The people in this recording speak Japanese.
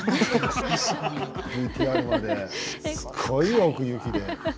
すごい奥行きで。